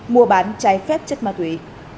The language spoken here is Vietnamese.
mua bán trái phép chất ma tùy